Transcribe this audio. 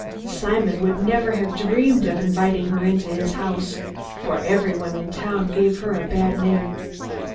Simon would never have dreamed of inviting her into his house, for everyone in town gave her a bad name.